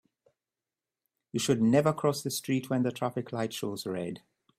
You should never cross the street when the traffic light shows red.